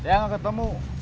saya nggak ketemu